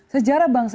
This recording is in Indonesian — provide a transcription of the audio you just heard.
sejarah bangsa ini